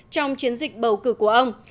trong chiến dịch bầu cử của ông